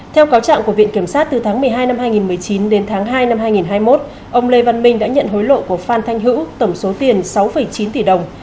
theo cáo trạng của viện kiểm sát từ tháng một mươi hai năm hai nghìn một mươi chín đến tháng hai năm hai nghìn hai mươi một ông lê văn minh đã nhận hối lộ của phan thanh hữu tổng số tiền sáu chín tỷ đồng